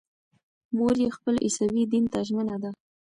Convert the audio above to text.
مور یې خپل عیسوي دین ته ژمنه ده.